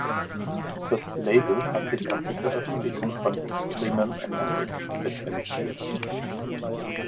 Das Label hat sich auf die Veröffentlichung von extremem Metal spezialisiert.